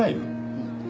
うん。